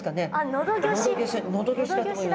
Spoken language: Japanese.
のどギョしだと思います。